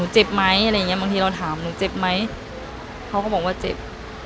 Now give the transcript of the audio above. เจ็บไหมบางทีเราถามหนูเจ็บไหมเขาก็บอกว่าเจ็บ